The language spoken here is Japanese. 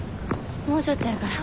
もうちょっとやから。